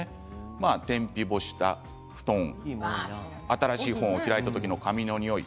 天日干しの布団新しい本を開いた時の紙の匂い